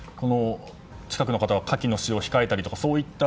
近くの方は火器の使用を控えたりとか、そういった？